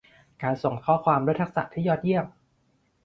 การส่งข้อความด้วยทักษะที่ยอดเยี่ยม